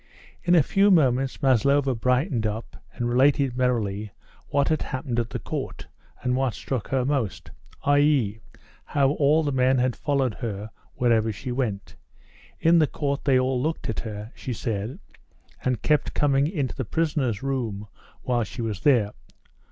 In a few moments Maslova brightened up and related merrily what had happened at the court, and what had struck her most, i.e., how all the men had followed her wherever she went. In the court they all looked at her, she said, and kept coming into the prisoners' room while she was there.